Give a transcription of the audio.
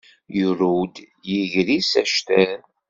Yurew-d yiger-is actal.